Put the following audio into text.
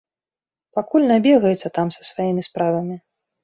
Пакуль набегаецца там са сваімі справамі.